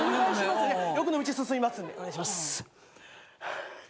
欲の道進みますのでお願いします。